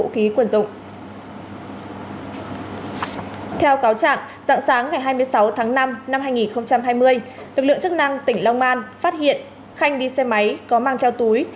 theo cáo trạng dạng sáng ngày hai mươi sáu tháng năm năm hai nghìn hai mươi lực lượng chức năng tỉnh long an phát hiện khanh đi xe máy có mang theo túi